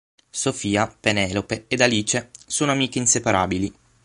Sofia, Penelope ed Alice sono amiche inseparabili.